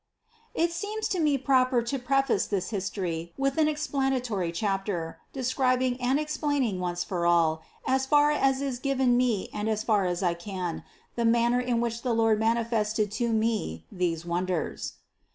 It seemed to me proper to preface this history with an explanatory chapter, describing and explaining once for all, as far as is given me and as far as I can, the manner in which the Lord manifested to me these wonders.